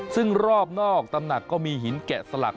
ซึ่งรอบนอกตำหนักก็มีหินแกะสลัก